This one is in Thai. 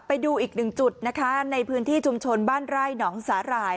ไปดูอีกหนึ่งจุดนะคะในพื้นที่ชุมชนบ้านไร่หนองสาหร่าย